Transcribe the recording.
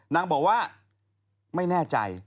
นางบอกว่าไม่แน่ใจ